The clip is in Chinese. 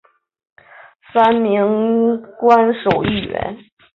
三名官守议员。